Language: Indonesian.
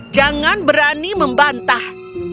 jangan berani membantah